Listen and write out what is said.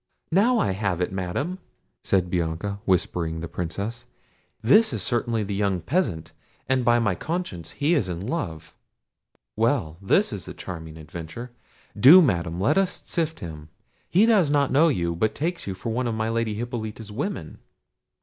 "Now I have it, Madam," said Bianca, whispering the Princess; "this is certainly the young peasant; and, by my conscience, he is in love—Well! this is a charming adventure!—do, Madam, let us sift him. He does not know you, but takes you for one of my Lady Hippolita's women."